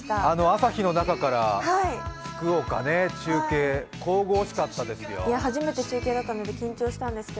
朝日の中から福岡の中継神々しかったですよ。